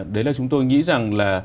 đấy là chúng tôi nghĩ rằng là